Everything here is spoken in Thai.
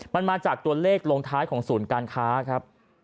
มันมาจากตัวเลขลงท้ายของศูนย์การค้าครับ